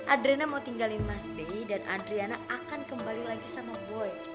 adrena mau tinggalin mas bey dan adriana akan kembali lagi sama boy